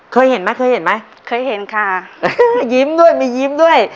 เคยเห็นไหมเคยเห็นไหมเคยเห็นค่ะยิ้มด้วยมียิ้มด้วย